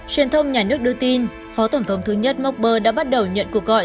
truyền thông nhà nước đưa tin phó tổng thống thứ nhất mober đã bắt đầu nhận cuộc gọi